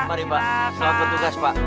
mari pak selamat bertugas pak